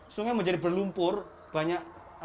sungai berantas bagi saya adalah bagian hidup